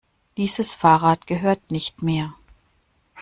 Dieses Fahrrad gehört nicht mir.